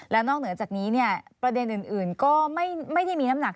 แล้วนอกเหนือจากนี้ประเด็นอื่นก็ไม่ได้มีน้ำหนัก